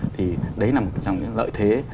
thì đấy là một trong những lợi thế